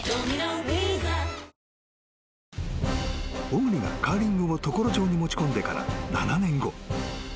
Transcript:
［小栗がカーリングを常呂町に持ち込んでから７年後］